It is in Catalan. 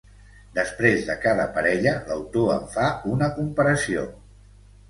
Després de cada parella l'autor en fa una comparació.